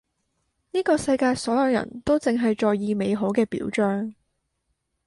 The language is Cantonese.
呢個世界所有人都淨係在意美好嘅表象